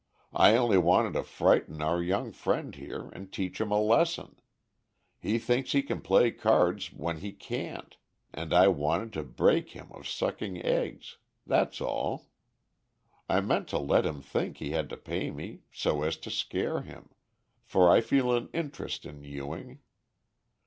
I only wanted to frighten our young friend here, and teach him a lesson. He thinks he can play cards when he can't, and I wanted to 'break him of sucking eggs,' that's all. I meant to let him think he had to pay me so as to scare him, for I feel an interest in Ewing.